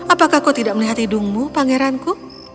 apakah kau tidak melihat hidungmu pangeranku